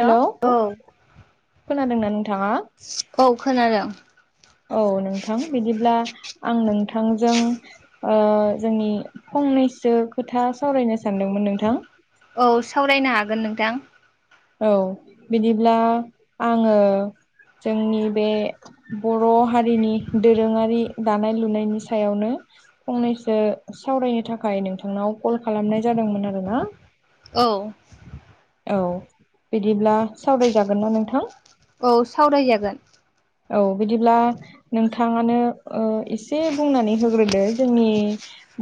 Hello औ। खोनादोंना नोंथाङा? औ खोनादों। औ नोंथां बिदिब्ला आं नोंथांजों जोंनि फंनैसो खोथा सावरायनो। सानदोंमोन नोंथां औ सावरायनो हागोन नोंथां। औ बिदिब्ला आङो जोंनि बे बर' हारिनि दोरोङारि दानाय लुनायनि सायावनो फंनैसो सावरायनो थाखाय नोंथांनाव कल खालामनाय जादोंमोन आरो ना। औ। औ बिदिब्ला सावरायजागोन ना नोंथां? औ सावरायजागोन। औ बिदिब्ला नोंथाङानो एसे बुंनानै होग्रोदो जोंनि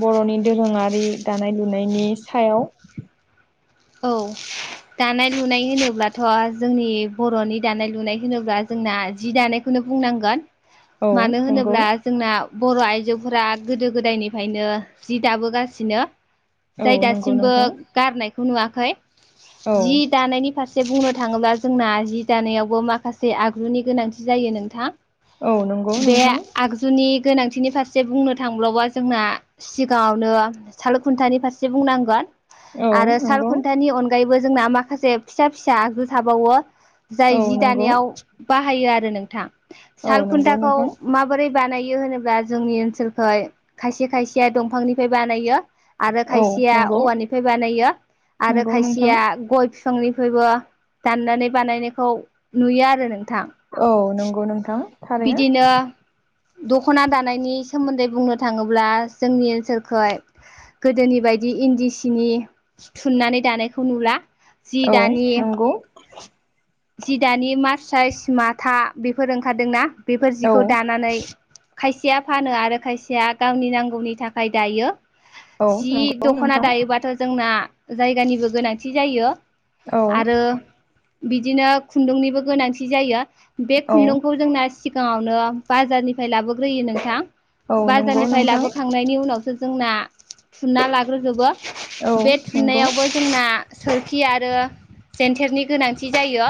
बर'नि दोरोङारि दानाय लुनायनि सायाव। [inaudible] औ दानाय लुनाय होनोब्लाथ' जोंनि बर'नि दानाय लुनाय होनोब्ला जोंना जि दानायखौनो बुंनांगोन। औ मानो नंगौ होनोब्ला जोंना बर' आइजोफोरा गोदो गोदायनिफ्रायनो जि दाबोगासिनो। औ जाय नंगौ दासिमबो नोंथां गारनायखौ नुवाखै। औ जि दानायनि फारसे एसे बुंनो थाङोब्ला जोंना जि दानायावबो माखासे आगुनि गोनांथि जायो नोंथां। औ नंगौ बे नोंथां आगजुनि गोनांथिनि फारसे बुंनो थांबावबा जोंना सिगाङावनो साल खुन्थानि फारसे बुंनांगोन। औ आरो साल नंगौ खुन्थानि अनगायैबो जोंना माखासे फिसा फिसा आगजु थाबावो। जाय औ जि नंगौ दानायाव बाहायो आरो नोंथां। औ नंगौ सालखुन्थाखौ नोंथां माबोरै बानायो होनोब्ला जोंनि ओनसोलखौ खायसे खायसेया दंफांनिफ्राय बानायो। आरो औ खायसेया नंगौ औवानिफ्राय बानायो आरो नंगौ नोंथां खायसेया गय बिफांनिफ्राय निफ्रायबो दाननानै बानायनायखौ नुयो आरो नों। औ नंगौ नोंथां थारैनो। बिदिनो दख'ना दानायनि सोमोन्दै बुंनो थाङोब्ला जोंनि ओनसोलखै गोदोनि बायदि इन्दि सिनि थुननानै दानायखौ नुला। जि औ दानि नंगौ। जि दानि मार्साइस माथा बेफोर ओंखारदोंनाा बेफोर औ जिखौ दानानै खायसेया फानो आरो खायसेया गावनि नांगौनि थाखाय दायो। औ जि नंगौ दख'ना नोंथां दायोबाथ' जोंना जायगानिबो गोनांथि जायो। औ आरो बिदिनो खुन्दुंनिबो गोनांथि जायो। बे औ खुन्दुंखौ जोंना सिगाङावनो बाजारनिफ्राय लाबोग्रोयो नोंथां! औ नंगौ बाजारनिफ्राय नोंथां लाबोखांनायनि उनावसो जोंना थुनना लाग्रोजोबो औ बे नंगौ थुननायइावबो जोंना सोरखि आरो जेन्थेरनि गोनांथि जायो।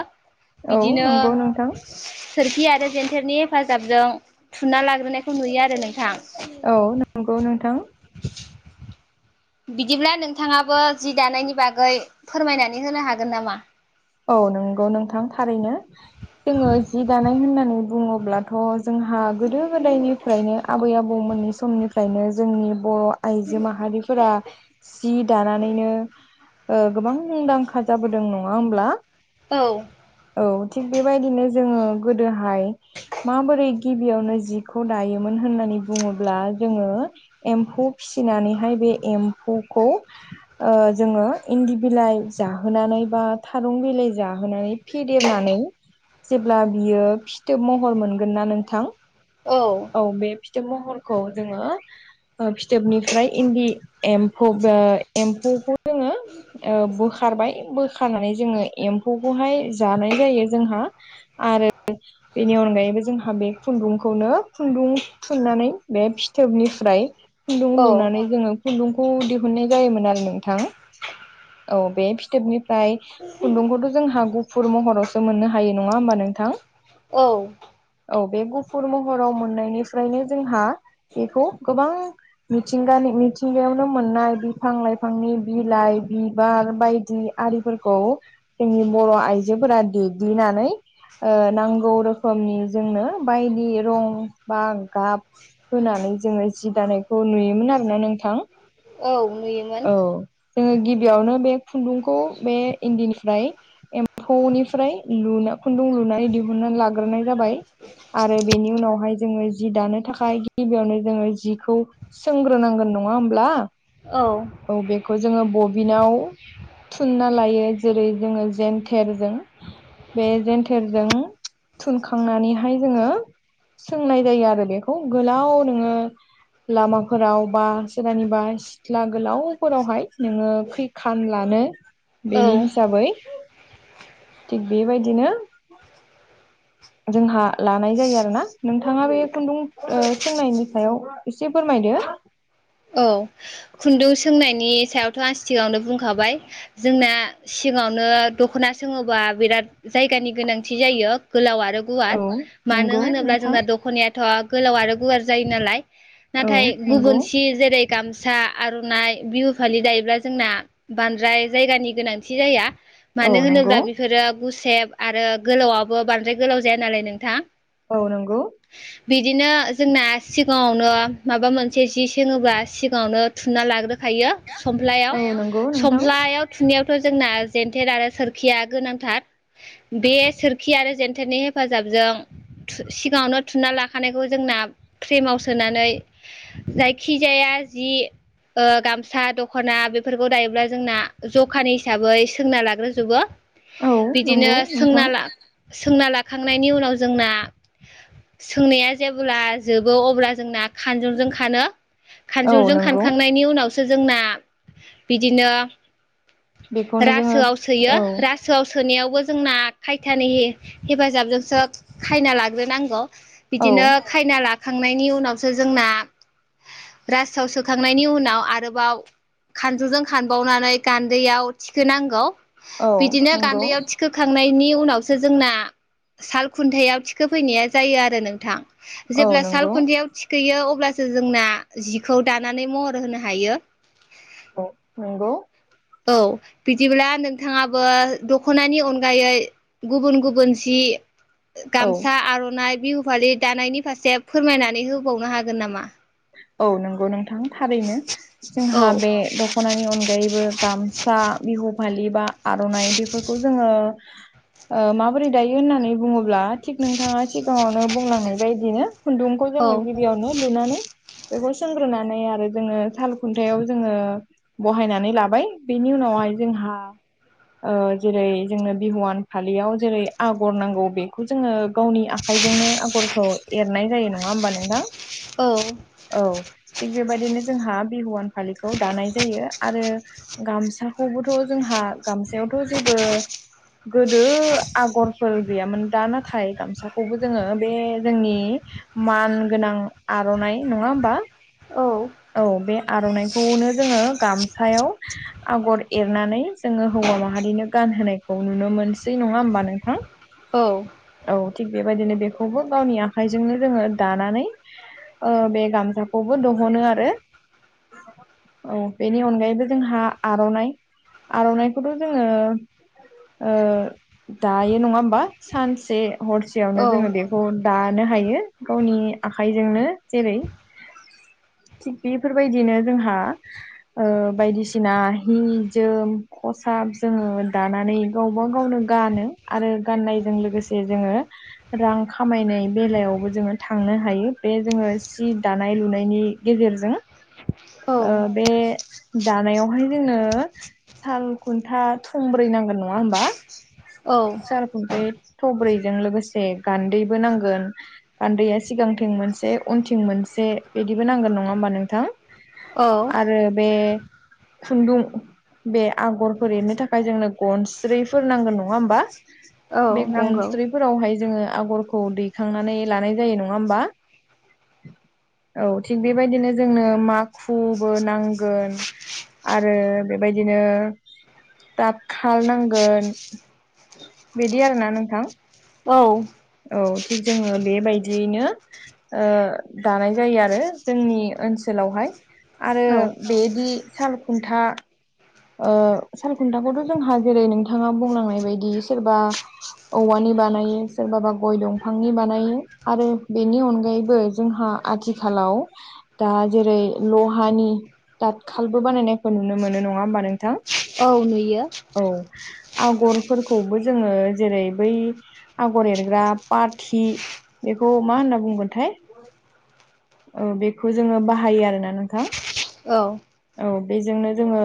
औ बिदिनो नंगौ नोंथां सोरखि आरो आरो जेन्थेरनि हेफाजाबजों थुनना लाग्रोनायखौ नुयो आरो नोंथां। औ नंगौ नोंथां। बिदिब्ला नोंथाङाबो जि दानायनि बागै फोरमायनानै होनो हागोन नामा? औ नंगौ नोंथां थारैनो जोङो जि दानाय होननानै बुङोब्लाथ' जोंहा गोदो गोदायनिफ्रायनो आबै आबौमोननि समनिफ्रायनो जोंनि बर' आइजो माहारिफोरा जि दानानैनो गोबां मुंदांखा जाबोदों नङा होमब्ला। औ औ थिग बेबायदिनो जोङो गोदोहाय माबोरै गिबियावनो जिखौ दायोमोन होननानै बुङोब्ला जोङो एम्फौ फिसिनानैहाय बे एम्फौखौ जोङो इन्दि बिलाइ जाहोनानै बा थारुं बिलाइ जाहोनानै फेदेरनानै जेब्ला बियो फिथोब महर मोनगोन ना नोंथां। औ बे फिथोब महरखौ जोङो फिथोबनिफ्राय इन्दि एम्फौ एम्फौखौ जोङो ओ ब बोखारबाय बोखारनानै जोङो एम्फौखौहाय जानाय जायो जोंहा आरो बेनि अनगायैबो जोंहा बे खुन्दुंखौनो खुन्दुं थुननानै बे फिथोबनिफ्राय खुन्दुं औ लुनानै जोङो खुन्दुं खौ दिहुननाय जायोमोन आरो नोंथां औ बे फिथोबनिफ्राय खुन्दुंखौथ जोंहा गुफुर महरावसो मोननो हायो नङा होमबा नों नोंथां औ औ बे गुफुर महराव मोन मोननायनिफ्रायनो जोंहा बेखौ गोबां मिथिंगानि मिथिंगायावनो मोननाय बिफां लाइफांनि बिलाइ बिबार बायदि आरिफोरखौ जोंनि बर' आइजो जोफोरा देग्लिनानै नांगौ रोखोमनि जोंनो बायदि रं बा गाब होनानै जोङो जि दानायखौ नुयोमोन आरोना नोंथां औ नुयोमोन औ जोङो गिबियावनो बे खुन्दुंखौ बे इन्दिनिफ्राय एम्फौनिफ्राय लु खुन्दुं लुनानै दिहुनानै लाग्रोनाय जाबाय आरो बेनि उनावहाय जोङो जि दानो थाखाय गिबियावनो जोङो जिखौ सोंग्रोनांगोन नङा होमब्ला औ बेखौ जोङो बबिनाव थुनना लायो जेरै जोङो जेनथेरजों बे जेन्थेरजों थुनखांनानैहाय जोङो सोंनाय जायो आरो बेखौ गोलाव नोङो लामाफोराव बा सोरनिबा सिथ्ला गोलावफोरावहाय नोङो खैखान लानो बेनि औ हिसाबै थिग बेबायदिनो जोंहा लानाय जायो आरो ना नोंथाङा बे खुन्दुं सोंनायनि सायाव एसे फोरमाय दो औ खुन्दुं सोंनायनि सायावथ' आं सिगाङावनो बुंखाबाय जोंना गांयावनो दख'ना सोङोबा बिराद जायगानि गोनांथि जायो गोलावा औ गुवार मानो नंगौ होनोब्ला नोंथां जोंना दखनायाथ' गोलाव आरो गुवार जायो नालाय औ नाथाय नोंगौ गुबुन सि जेरै गामसा आरनाइ बिहु फालि दायोब्ला जोंना बांद्राय जायगानि गोनांथि जाया औ मानो नंगौ होनोब्ला बिफोरो गुसेब आरो गोलावाबो बांद्राय गोलाव जाया नालाय नोंथां औ नंगौ बिदिनो जोंना सिगाङावनो माबा मोनसे जि सोङोब्ला सि गायावनो थुना लाग्रोखायो सफ्लायाव औ नंगौ नोंथां सफ्लायाव थुनायाव जोंना जेथेर आरो सोरखिया गोनांथार बे सोरखि आरो जेथेरनि हेफाजाब जों सिगाङावनो थुना लाखानायखौ जोंना फ्रेमाव सोनानै जाय खिजाया जि ओ गामसा दख'ना बेफोरखौ दायोब्ला जोंना जखानि हिसाबै सोंना लाग्रोजोबो औ बिदिनो नंगौ नोंथां सोंना सोंना लाखांनायनि उनाव जोंना सोंनाया जेब्ला जोबो अब्ला जोंना खानजनजों खानो औ खानजौजों नंगौ खानखांनायनि उनावसो जोंना बिदिनो बेखौनो जोङो रासोआव सोयो औ रासोआव सोनायाव बो जोंना खायथानि हेफाजाबजोंसो खायना लाग्रोनांगौ औ बिदिनो खायना लाखांनायनि उनावसो जोंना रासाव सोखांनायनि उनाव आरोबाव खानजुजों खानबावनानै गान्दैयाव थिखो नांगौ औ बिदिनो नंगौ गान्दैयाव थिखोखांनायनि उनावसो जोंना साल खुन्थायाव थिखो फैनाया जायो आरो नोंथां औ जेब्ला नंगौ सालखुदियाव थिखैयो अब्ला जोंना जिखौ दानानै महर होनो हायो। नोंगौ औ बिदिब्ला नोंथाङाबो दख'नानि अनगायै गुबुन गुबुन जि [inaudible] औ गामसा आर'नाइ बिहु फालि दानायनि फारसे फोरमायनानै होबावनो हागोन नामा? औ नों गौ नोंथां थारैनो औ जोंहा बे दख'नानि अनगायैबो गामसा बिहु फालि बा आर'नाइ बेफोरखौ जोङो ओ माबोरै दायो होननानै बुङोब्ला थिग नोंथाङा सिगाङावनो बुंलांनाय बायदिनो खुन्दुंखौ औ जोङो गिबियावनो लुनानै बेखौ सोंग्रोनानै आरो जोङो साल खुन्थायाव जोङो बहायनानै लाबाय बेनि उन नहाय जोंहा ओ जेरै जोंनो बिहुवान फालियाव जेरै आगर नांगौ बेखौ जोङो गावनि आखाइ बेजोंनो आगरखौ एरनाय जायो नङा होमबा नोंथां? औ औ थिग बेबायदिनो जोंहा बिहुवान फालिखौ दानाय जायो आरो गामसाखौबोथ' जोंहा गामसायावथ' जेबो गोदो आगरफोर गैयामोन दा नाथाय गामसाखौबो जोङो बे जोंनि मान गोनां आर'नाइ नङा होमबा औ औ बे आर'नाइखौनो जोङो गामसायाव आगर एरनानै जोङो हौवा माहारिनो गानहोनायखौ नुनो मोनसै नङा होनोमबा नोंथां? औ औ थिग बेबायदिनो बेखौबो गावनि आखाइजोंनो जोङो दानानै ओ बे गामसााखौबो दह'नो आरो। औ बेनि अनगायैबो जोंहा आर'नाइ आर'नाइखौथ' जोङो ओ दायो नङा होमबा सानसे हरसेयावनो औ जोङो बेखौ दानो हायो गावनि आखाइजोंनो जेरै थिग बेफोरबायदिनो जोंहा ओ बायदिसिना हि जोम ख साब जोङो दानानै गावबा गावनो गानो आरो गाननायजों लोगोसे जोङो रां खामायनाय बेलायावबो जोङो थांनो हायो बे जोङो सि दानाय लुनायन‌ि गेजेरजों ओ औ बे दानायाव हाय जोंनो साल खुन्था थंब्रै नांगोन नङा होमबा? औ सारखुनथाय थब्रै जों लोगोसे गानदैबो नांगोन गानदैया सिगांथिं मोनसे उनथिं मोनसे बेदि बो नांगोन नङा होनबाबा नोंथां औ आरो बे खुन्दुं बे आगरफोर एरनो थाखाय जोंनो गनस्रैफोर नांगोन नङा होमबा? औ बे नंगौ गनस्रिफोरावहाय जोङो आगरखौ दैखांनानै लानाय जायो नङा होमबा। औ थिग बेबायदिनो जोंनो माखुबो नांगोन आरो बेबायदिनो दाबखा नांगोन बिदि आरोना नोंथां औ औ थिग जोङो बेबायदियैनो ओ दानाय जायो आरो जोंनि ओनसोलावहाय। आरो औ बेदि साल खुन्था ओ सालखुन्थाखौथ' जोंहा जेरै नोंथाङा बुंलांनाय बायदि सोरबा औवानि बानाय सोरबाबा गय दंफांनि बानायो आरो बेनि अनगायैबो जोंहा आथिखाल लाव दा जेरै लहानि दाथखालबो बानायनायखौ नुनो मोनो नङा होमबा नोंथां औ नुयो औ आगरफोरखौबो जोङो जेरै बै आगर एरग्रा पाथि बेखौ मा होनना बुंगोनथाय औ बेखौ जोङो बाहायो आरोना नोंथां। औ। औ बेजोंनो जोङो।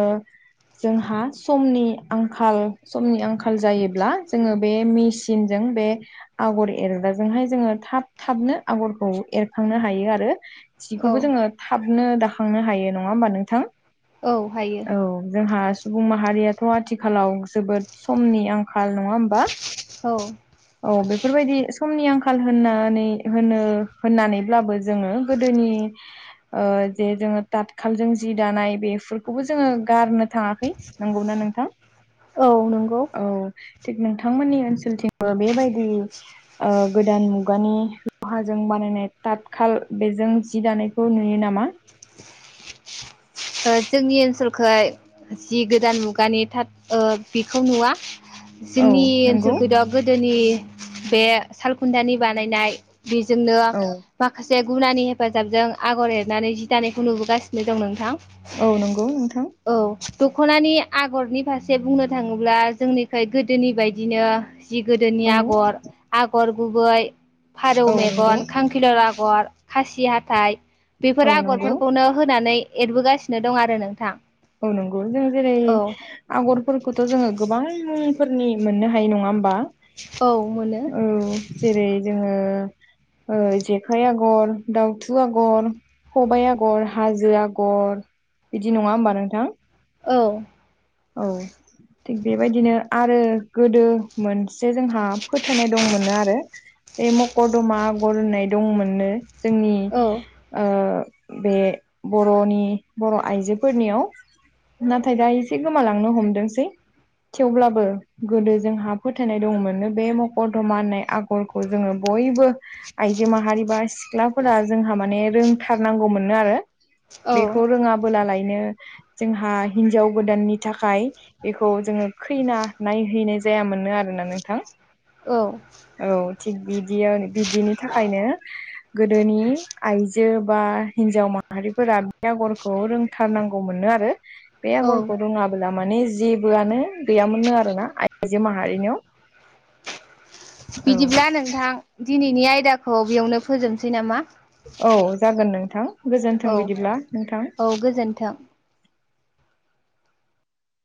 जोंहा समनि आंखाल समनि आंखाल जायोब्ला जोङो बे मेसिनजों जों‌बे आगर एरग्राजोंहाय जोङो थाब थाबनो आगरखौ एरखांनो हायो आरो। औ जिखौबो जोङो थाबनो दाखांनो हायो नङा होमबा नोंथां? औ हायो। औ जोंहा सुबुं माहारियाथ‌आथिखालाव जोबोद समनि आंखाल नङा होमबा। औ औ बेफोरबायदि। समनि आंखाल होननानै होननानैब्लाबो जोङो गोदोनि ओ जे जोङो थातखालजों जि दानाय बेफोरखौबो जोङो गारनो थाङाखै नंगौना नोंथां। औ नंगौ। औ थिग नोंथांमोननि ओनसोलथिंबो बेबायदि ओ‌ गोदान मुगानि लहाजों बानायनाय ताथखाल बेजों जि दानायखौ नुयो नामा? [inaudible] ओ जोंनि ओनसोखोय जि गोदान मुगानि थाथ‌ ओ बिखौ नुवा। औ जोंनि नंगौ ओनसोलखौथ गोदोनि बे सालखुन्थानि बानायनाय बेजोंनो औ माखासे जे गुनानि हेफाजाबजों आगर एरनानै जि दानायखौ नुबोगासिनो दं नोंथां। औ नंगौ नोंथां। औ दखनानि आगरनि फारसे बुंनो थाङोब्ला जोंनिखै गोदोनि बायदिनो जि गोदोनि औ आगर आगर गुबै फारौ औ नंगौ मेगन खांख्रिखला आगर आगर खासि हाथाइ बेफोर औ नंगौ आगरफोरखौनो होनानै एरबोगासिनो गासिनो दं आरो नोंथां। औ नंगौ जों जेरै औ आगरफोरखौथ जोङो गोबां फोरनि मोननो हायो नङा होमबा। औ मोनो औ जेरै जोङो ओ जेखाइ आगर दाउथु आगर खबाइ आगर हाजो आगर बिदि नङा होमबा नोंथां। औ। औ थिग बेबायदिनो आरो गोदो मोनसे जोंहा फोथायनाय दङ। मोनो आरो बे मकरधमा आगर होननाय दंमोननो जोंनि औ ओ बे बरनि बर आइजोफोरनियाव नाथाय दानि गोमालांनो हमदोंसै। थेवब्लाबो गोदो जोंहा फोथायनाय दंमोननो बे मकरधमा होननाय आगरखौ जोङो‌। बयबो आइजो माहारि बा सिख्लाफोरा जोंहा माने रोंथारनांगौ मोननो आरो बेखौ औ रोङाबोला लायनो नो जोंहा हिनजाव गोदाननि थाखाय बेखौ जोङो खैना नायहैनाय जायामोननो आरोना नोंथां। औ। औ थिग बिदिनि थाखायनो गोदोनि आइजो बा हिनजाव माहारिफोरा बे आगरखौ रोंथारनांगौ मोननो आरो। बे औ। आगरखौ रोङाबोला माने जेबोआनो गैयामोननो आरोना आइ आयजो माहारिनियाव। औ बिदिब्ला नोंथां दिनैनि आयदाखौ बेयावनो फोजोबसै नामा। औ जागोन नोंथां गोजोन्थों औ बिदिब्ला नोंथां। औ गोजोन्थों